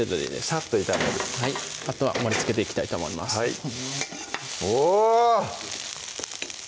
さっと炒めるあとは盛りつけていきたいと思いますおぉ！